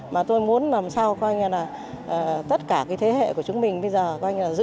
mà tôi muốn làm sao coi như là tất cả cái thế hệ của chúng mình bây giờ coi như là giữ